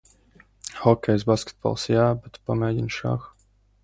Hokejs, basketbols - jā! Bet pamēģini šahu!